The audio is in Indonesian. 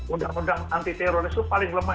undang undang anti teroris itu paling lemah